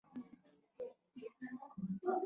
دوی فکر کوي چې تا له تښتېدلو سره مرسته کړې